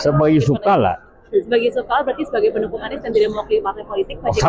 sebagai yusuf kal berarti sebagai pendukung anies dan tidak mewakili partai politik pak jk